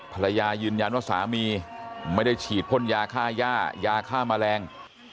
ภรรยายืนยันว่าสามีไม่ได้ฉีดพ่นยาฆ่าย่ายาฆ่าแมลง